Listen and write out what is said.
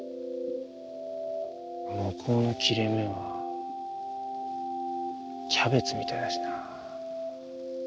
向こうの切れ目はキャベツみたいだしな。